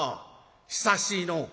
久しいのう。